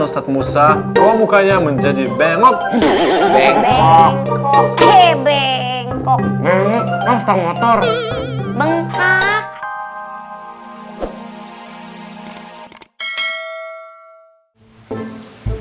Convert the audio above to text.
ustadz musa kau mukanya menjadi bengkok bengkok bengkok bengkok